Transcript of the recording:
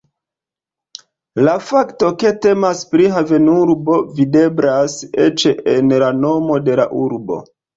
La fakto ke temas pri havenurbo videblas eĉ en la nomo de la urbo.